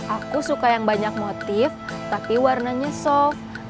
aku suka yang banyak motif tapi warnanya soft